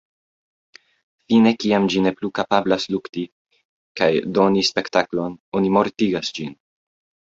Fine kiam ĝi ne plu kapablas lukti, kaj "doni spektaklon", oni mortigas ĝin.